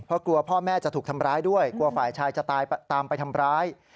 เพราะกลัวพ่อแม่จะถูกทำร้ายด้วยกลัวฝ่ายชายจะตายตามไปทำร้าย